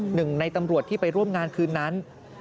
หนึ่งในตำรวจที่ไปร่วมงานคืนนั้น